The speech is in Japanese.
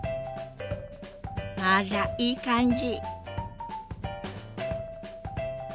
あらいい感じ。